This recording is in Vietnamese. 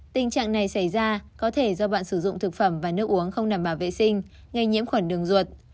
tình trạng này xảy ra có thể do bạn sử dụng thực phẩm và nước uống không nằm vào vệ sinh ngay nhiễm khuẩn đường ruột